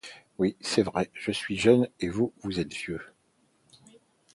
Oui, c'est vrai, je suis jeune, et vous, vous êtes vieux.